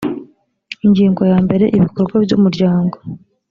ingingo ya mbere ibikorwa by umuryango